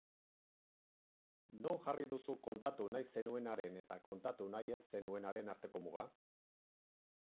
Non jarri duzu kontatu nahi zenuenaren eta kontatu nahi ez zenuenaren arteko muga?